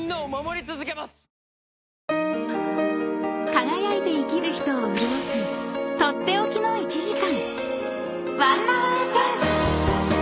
［輝いて生きる人を潤す取って置きの１時間］